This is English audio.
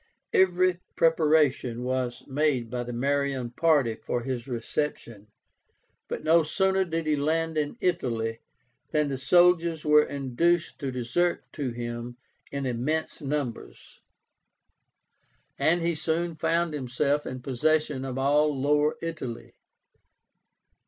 Every preparation was made by the Marian party for his reception; but no sooner did he land in Italy than the soldiers were induced to desert to him in immense numbers, and he soon found himself in possession of all Lower Italy.